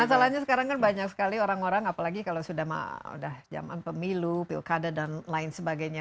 masalahnya sekarang kan banyak sekali orang orang apalagi kalau sudah zaman pemilu pilkada dan lain sebagainya